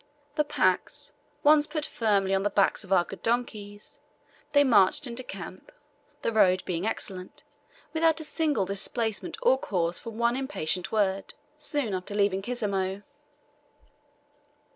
The packs once put firmly on the backs of our good donkeys, they marched into camp the road being excellent without a single displacement or cause for one impatient word, soon after leaving Kisemo.